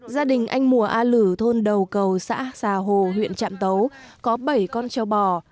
gia đình anh mùa a lử thôn đầu cầu xã xà hồ huyện trạm tấu có bảy con châu bò